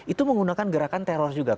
itu menggunakan gerakan teror juga